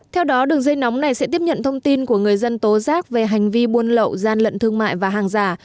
theo đó đường dây nóng này sẽ tiếp nhận thông tin của người dân tố giác về hành vi buôn lậu gian lận thương mại và hàng giả